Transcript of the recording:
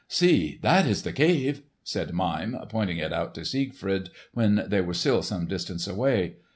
"See, that is the cave," said Mime, pointing it out to Siegfried when they were still some distance away.